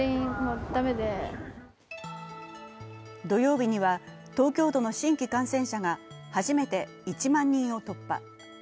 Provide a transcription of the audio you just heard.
土曜日には、東京都の新規感染者が初めて１万人を突破。